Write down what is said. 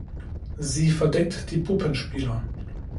Sie verdeckt die Puppenspieler.